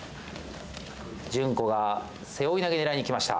順子が背負い投げ狙いにいきました。